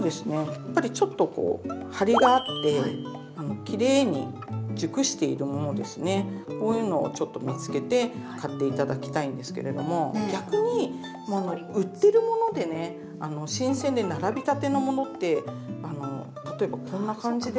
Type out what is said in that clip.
やっぱりちょっとこうこういうのをちょっと見つけて買って頂きたいんですけれども逆に売ってるものでね新鮮で並びたてのものって例えばこんな感じで。